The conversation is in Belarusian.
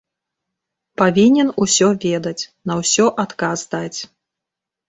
Павінен усё ведаць, на ўсё адказ даць.